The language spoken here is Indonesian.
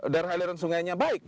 darah aliran sungainya baik